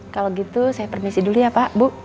kalau gitu saya permisi dulu ya pak bu